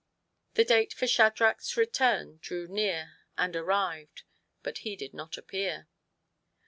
'* The date for Shadrach's return drew near and arrived, and he did not appear.